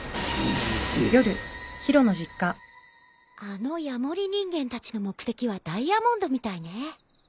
あのヤモリ人間たちの目的はダイヤモンドみたいね。